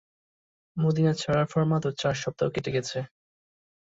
মদীনা ছাড়ার পর মাত্র চার সপ্তাহ কেটে গেছে।